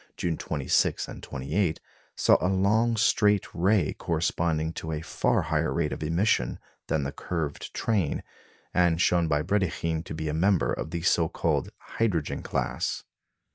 June 26 and 28, saw a long straight ray corresponding to a far higher rate of emission than the curved train, and shown by Brédikhine to be a member of the (so called) hydrogen class.